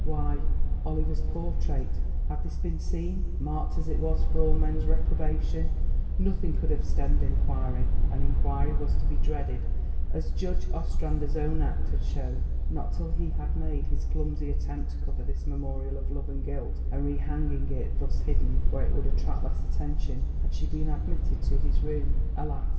Why, Oliver's portrait! Had this been seen, marked as it was for all men's reprobation, nothing could have stemmed inquiry; and inquiry was to be dreaded as Judge Ostrander's own act had shown. Not till he had made his clumsy attempt to cover this memorial of love and guilt and rehanging it, thus hidden, where it would attract less attention, had she been admitted to his room. Alas!